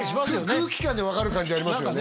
空気感で分かる感じありますよね